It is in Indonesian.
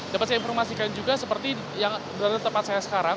dapat saya informasikan juga seperti yang berada di tempat saya sekarang